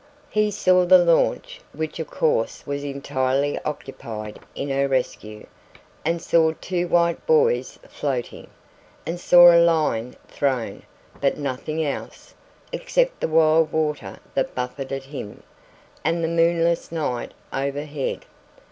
He saw the launch which of course was entirely occupied in her rescue and saw two white buoys floating, and saw a line thrown, but nothing else, except the wild water that buffeted him, and the moonless night overhead.